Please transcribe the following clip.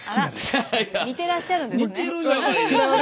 あら似てらっしゃるんですね。